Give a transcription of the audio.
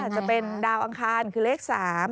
จะเป็นดาวอังคารคือเลข๓